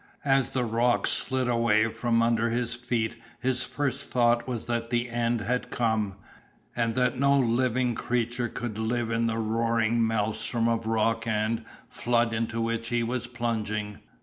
As the rock slid away from under his feet his first thought was that the end had come, and that no living creature could live in the roaring maelstrom of rock and, flood into which he was plunging.